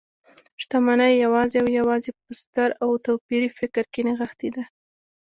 شتمنۍ يوازې او يوازې په ستر او توپيري فکر کې نغښتي ده .